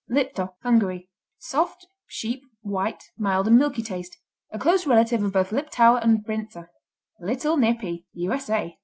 Lipto Hungary Soft; sheep; white; mild and milky taste. A close relative of both Liptauer and Brinza. Little Nippy _U.S.A.